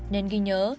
nên ghi nhớ